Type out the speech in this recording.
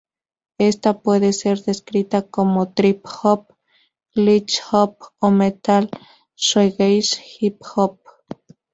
Ésta puede ser descrita como trip hop, glitch-hop o metal-shoegaze-hip-hop.